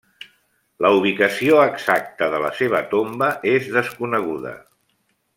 La ubicació exacta de la seva tomba és desconeguda.